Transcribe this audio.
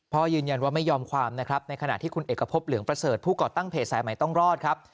พ่อยืนยันว่าไม่ยอมความนะครับในขณะที่คุณเอกพบเหลืองประเสริฐผู้ก่อตั้งเพจสายใหม่ต้องรอดครับ